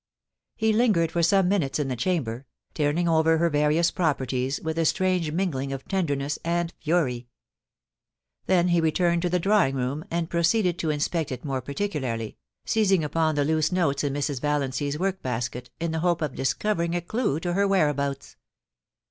He lingered for some minutes in the chamber, turning over her various properties with a strange mingling of ten derness and fury. Then he returned to the drawing room, and proceeded to inspect it more particularly, seizing upon the loose notes in Mrs. Valiancy's work basket, in the hope of discovering a clue to her whereabouts.